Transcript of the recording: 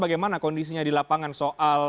bagaimana kondisinya di lapangan soal